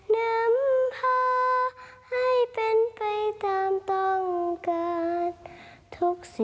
นำพาให้เป็นไปตามต้องการทุกสิ่ง